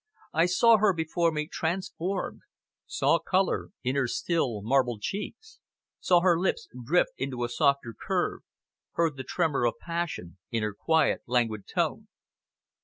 I saw her before me transformed, saw color in her still, marble cheeks, saw her lips drift into a softer curve, heard the tremor of passion in her quiet, languid tone.